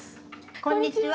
こんにちは。